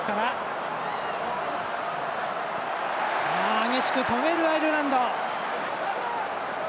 激しく止めるアイルランド。